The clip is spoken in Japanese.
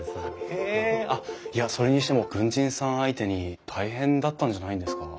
へえあっそれにしても軍人さん相手に大変だったんじゃないんですか？